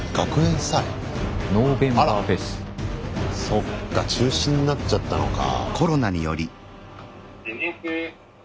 そっか中止になっちゃったのか。